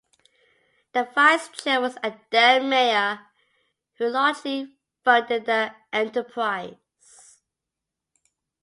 The vice-chair was Adele Meyer, who largely funded the enterprise.